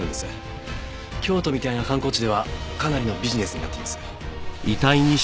京都みたいな観光地ではかなりのビジネスになっています。